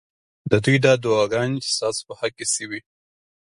ددوی دا دعاګانې چې ستا سو په حق کي شوي